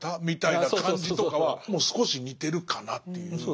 みたいな感じとかは少し似てるかなっていう。